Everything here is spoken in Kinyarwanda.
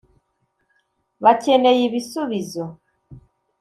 bacyeneye ibisubizo